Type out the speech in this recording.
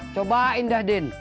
cobain dah din